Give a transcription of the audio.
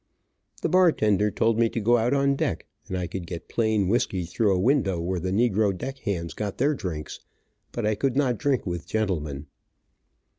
The bar tender told me to go out on deck and I could get plain whisky through a window where the negro deck hands got their drinks, but I could not drink with gentlemen.